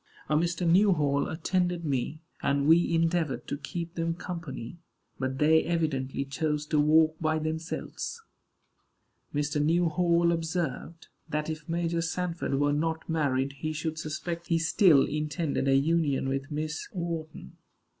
A Mr. Newhall attended me, and we endeavored to keep them company; but they evidently chose to walk by themselves. Mr. Newhall observed, that if Major Sanford were not married he should suspect he still intended a union with Miss Wharton.